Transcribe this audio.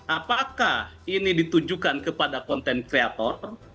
apakah ini ditujukan kepada konten kreator